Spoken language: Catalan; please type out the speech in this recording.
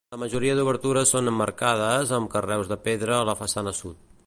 La majoria d'obertures són emmarcades amb carreus de pedra a la façana sud.